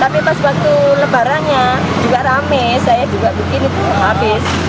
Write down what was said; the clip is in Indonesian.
tapi pas waktu lebarannya juga rame saya juga bikin itu habis